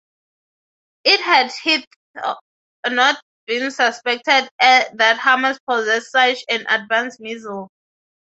It had hitherto not been suspected that Hamas possessed such an advanced missile.